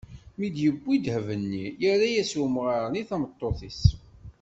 Mi d-yewwi ddheb-nni, yerra-as umɣar-nni tameṭṭut-is.